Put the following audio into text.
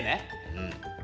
うん。